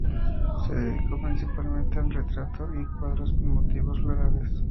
Se dedicó principalmente al retrato y a cuadros con motivos florales.